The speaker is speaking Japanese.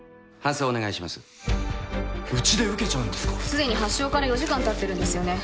すでに発症から４時間たってるんですよね。